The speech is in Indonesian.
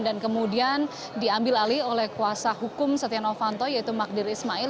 dan kemudian diambil alih oleh kuasa hukum setia novanto yaitu magdir ismail